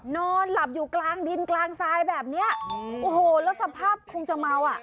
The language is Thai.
นอนหลับอยู่กลางดินกลางทรายแบบเนี้ยโอ้โหแล้วสภาพคงจะเมาอ่ะ